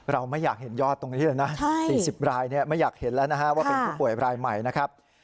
เราไม่อยากเห็นยอดตรงนี้เลยนะ๔๐รายไม่อยากเห็นแล้วนะฮะว่าเป็นผู้ป่วยรายใหม่นะครับ